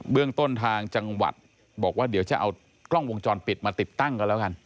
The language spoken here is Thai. เรื่องต้นทางจังหวัดบอกว่าเดี๋ยวจะเอากล้องวงจรปิดมาติดตั้งกันแล้วกัน